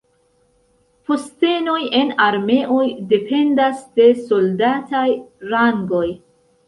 Postenoj en armeoj dependas de soldataj rangoj.